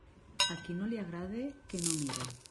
A qui no li agrade, que no mire.